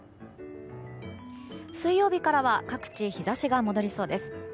水曜日からは各地、日差しが戻りそうです。